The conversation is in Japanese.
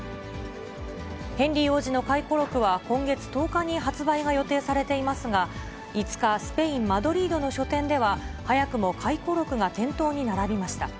ヘンリー王子の回顧録は今月１０日に発売が予定されていますが、５日、スペイン・マドリードの書店では、早くも回顧録が店頭に並びました。